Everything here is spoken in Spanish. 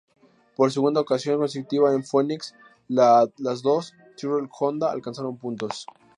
Por segunda ocasión consecutiva en Phoenix, los dos Tyrrell-Honda alcanzaron puntos.